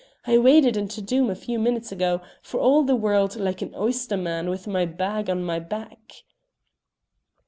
I waded into Doom a few minutes ago, for all the world like an oyster man with my bag on my back."